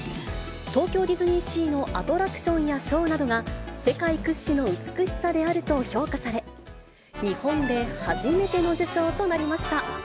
東京ディズニーシーのアトラクションやショーなどが、世界屈指の美しさであると評価され、日本で初めての受賞となりました。